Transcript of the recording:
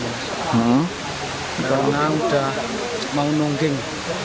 nah udah mau nungging